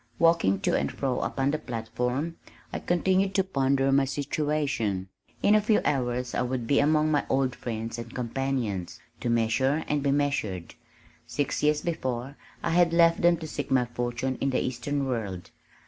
Walking to and fro upon the platform, I continued to ponder my situation. In a few hours I would be among my old friends and companions, to measure and be measured. Six years before I had left them to seek my fortune in the eastern world.